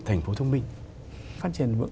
thành phố thông minh phát triển vững